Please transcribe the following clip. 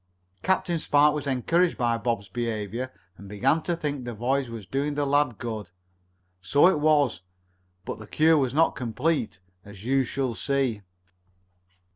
Captain Spark was encouraged by Bob's behavior, and began to think the voyage was doing the lad good. So it was, but the cure was not complete, as you shall see.